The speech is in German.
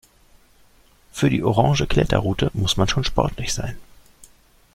Für die orange Kletterroute muss man schon sportlich sein.